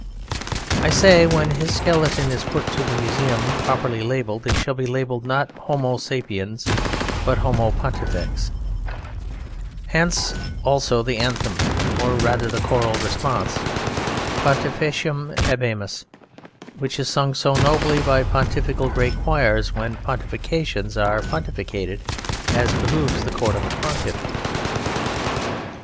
I say, when his skeleton is put in the Museum properly labelled, it shall be labelled not Homo Sapiens, but Homo Pontifex; hence also the anthem, or rather the choral response, "Pontificem habemus," which is sung so nobly by pontifical great choirs, when pontifications are pontificated, as behooves the court of a Pontiff.